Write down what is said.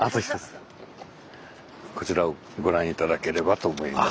こちらをご覧頂ければと思います。